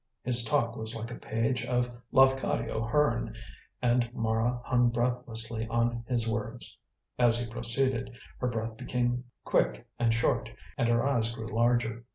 His talk was like a page of Lafcadio Hearn, and Mara hung breathlessly on his words. As he proceeded, her breath became quick and short and her eyes grew larger.